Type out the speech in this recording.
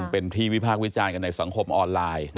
เป็นที่วิพากษ์วิจารณ์กันในสังคมออนไลน์